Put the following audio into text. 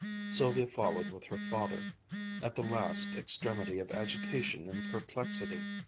Sylvia followed with her father, at the last extremity of agitation and perplexity.